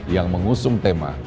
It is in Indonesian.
yang mengusung tema